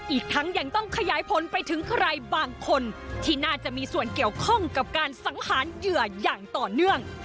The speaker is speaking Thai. อีกทั้งยังต้องขยายผลไปถึงใครบางคนที่น่าจะมีส่วนเกี่ยวข้องกับการสังหารเหยื่ออย่างต่อเนื่อง